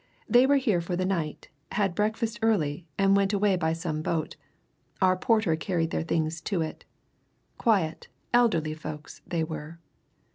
They were here for the night, had breakfast early, and went away by some boat our porter carried their things to it. Quiet, elderly folks, they were."